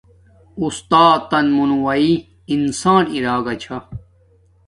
استاتن مونوواݵ انسان اراگا چھا